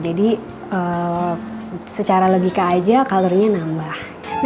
jadi secara logika aja kalorinya nambah